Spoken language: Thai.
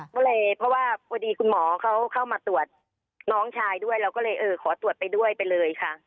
เพราะว่าคุณหมอเข้ามาตรวจน้องชายด้วยเราก็เลยขอตรวจไปด้วยไปเลยค่ะ